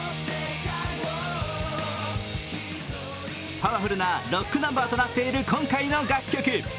パワフルなロックナンバーとなっている今回の楽曲。